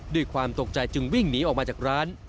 ด้วยความตกใจจึงวิ่งหนีออกมาจากร้าน